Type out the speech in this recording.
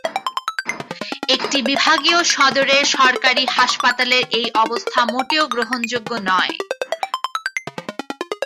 একটি বিভাগীয় সদরের সরকারি হাসপাতালের এই অবস্থা মোটেও গ্রহণযোগ্য নয়।